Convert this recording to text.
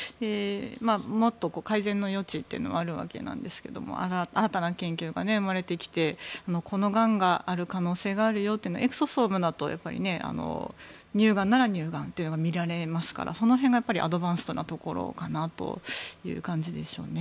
もっと改善の余地はあるわけなんですが新たな研究が生まれてきてこのがんがある可能性があるよってエクソソームだと乳がんなら乳がんというのが見られますからその辺がアドバンストなところかなと思いますね。